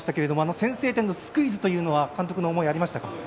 先制点のスクイズというのは監督の思いありましたか？